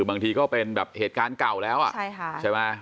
บางทีก็เป็นเหตุการณ์เก่าแล้ว